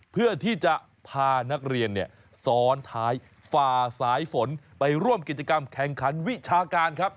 เพื่อที่จะพานักเรียนซ้อนท้ายฝ่าสายฝนไปร่วมกิจกรรมแข่งขันวิชาการครับ